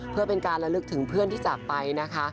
เพื่อเป็นการระลึกถึงเพื่อนที่จากไปนะคะ